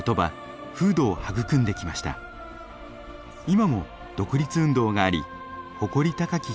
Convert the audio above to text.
今も独立運動があり誇り高き